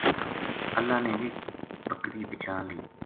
اللہ نے ویہ بکری بچا لئی